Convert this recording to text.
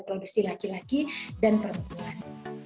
produksi laki laki dan perempuan